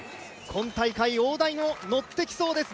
今大会大台に乗ってきそうです